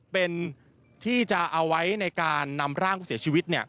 เป็นที่จะเอาไว้ในการนำร่างผู้เสียชีวิต